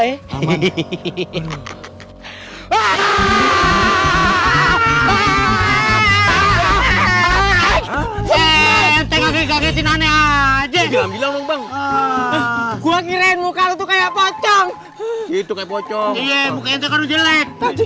aja gua kirain muka kayak pocong itu kayak pocong jelek